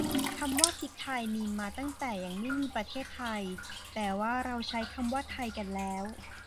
คำว่าพริกไทยมีมาตั้งแต่ยังไม่มีประเทศไทย แปลว่าเราใช้คำว่าไทยกันแล้ว